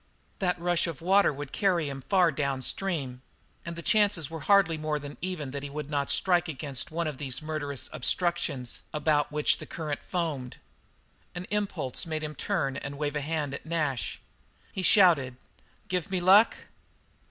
That rush of water would carry him far downstream and the chances were hardly more than even that he would not strike against one of these murderous obstructions about which the current foamed. An impulse made him turn and wave a hand to Nash. He shouted: "Give me luck?"